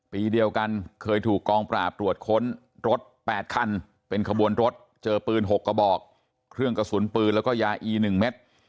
ปีเดียวกันเคยถูกกองปราบตรวจค้นรถ๘คันเป็นขบวนรถเจอปืน๖กระบอกเครื่องกระสุนปืนแล้วก็ยาอี๑เม็ด